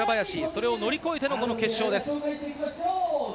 それを乗り越えての決勝です。